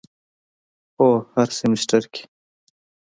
هو، هر سیمیستر کی